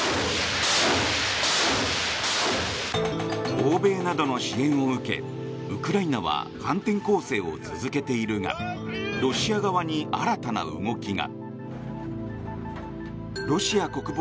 欧米などの支援を受けウクライナは反転攻勢を続けているがロシア側に新たな動きが。